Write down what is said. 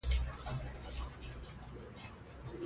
د افغانستان جلکو د افغانستان د جغرافیایي موقیعت پایله ده.